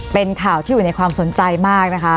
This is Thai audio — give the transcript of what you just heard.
เป็นข่าวที่อยู่ในความสนใจมากนะคะ